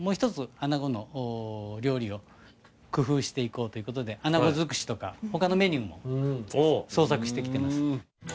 あなごの料理を工夫していこうということで穴子尽くしとか他のメニューも創作してきてます